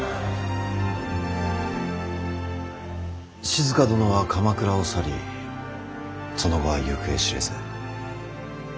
静殿は鎌倉を去りその後は行方知れず。